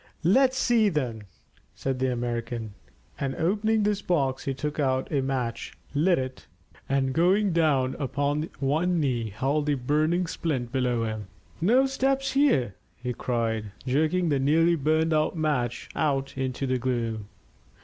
"Let's see, then," said the American, and opening his box he took out a match, lit it, and going down upon one knee held the burning splint below him. "No steps here," he cried, jerking the nearly burned out match out into the gloom.